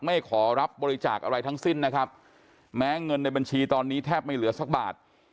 ไม่ขอรับบริจาคอะไรทั้งสิ้นนะครับแม้เงินในบัญชีตอนนี้แทบไม่เหลือสักบาท